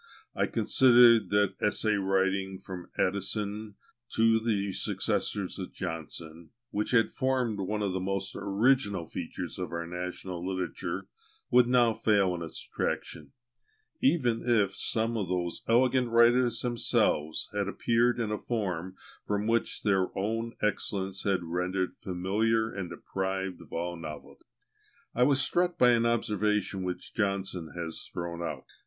I considered that essay writing, from Addison to the successors of Johnson, which had formed one of the most original features of our national literature, would now fail in its attraction, even if some of those elegant writers themselves had appeared in a form which their own excellence had rendered familiar and deprived of all novelty. I was struck by an observation which Johnson has thrown out.